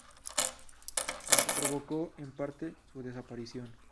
Lo que provocó, en parte, su desaparición.